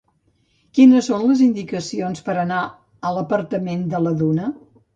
Quines són les indicacions per anar a l'apartament de la Duna?